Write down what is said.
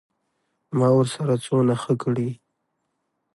ما ورسره څونه ښه کړي.